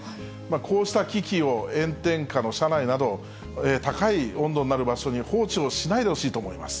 こうした機器を、炎天下の車内など、高い温度になる場所に放置をしないでほしいと思います。